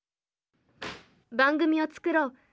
番組を作ろう！